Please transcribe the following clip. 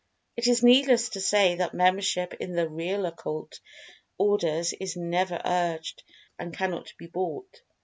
It is needless to say that membership in[Pg 209] the real Occult orders is never urged, and cannot be bought.